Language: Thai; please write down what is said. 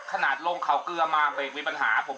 ขนาดโรงข่าวเกลือมาเป็นอีกวิบัญหาผมยัง